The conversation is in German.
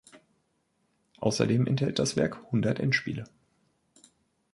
Außerdem enthält das Werk hundert Endspiele.